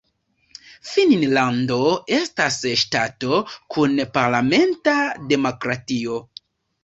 Finnlando estas ŝtato kun parlamenta demokratio.